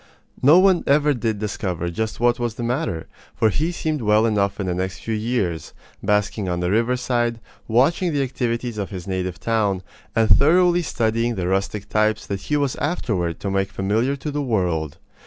No one ever did discover just what was the matter, for he seemed well enough in the next few years, basking on the riverside, watching the activities of his native town, and thoroughly studying the rustic types that he was afterward to make familiar to the world.